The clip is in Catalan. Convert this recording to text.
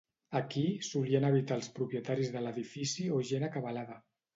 Aquí solien habitar els propietaris de l'edifici o gent acabalada.